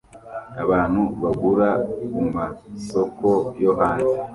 Abantu bagura kumasoko yo hanze